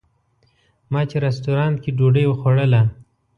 ما چې رسټورانټ کې ډوډۍ خوړله.